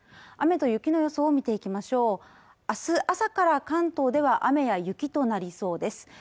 雨と雪の予想を見ていきましょう明日朝から関東では雨や雪となりそうですね